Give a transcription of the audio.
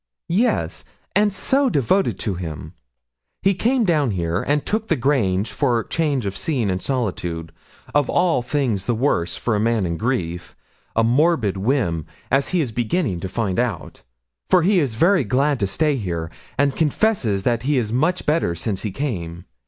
'Yes, and so devoted to him. He came down here, and took The Grange, for change of scene and solitude of all things the worst for a man in grief a morbid whim, as he is beginning to find out; for he is very glad to stay here, and confesses that he is much better since he came.